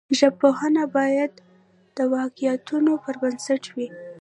ژبپوهنه باید د واقعیتونو پر بنسټ وي.